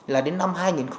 là đến năm hai nghìn hai mươi